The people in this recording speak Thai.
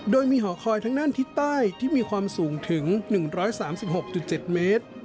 โดยมีหอคอยทั้งด้านทิศใต้ที่มีความสูงถึง๑๓๖๗เมตร